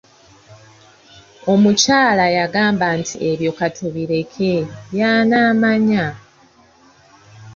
Omukyala yagamba nti ebyo katubireke y’anaamanya.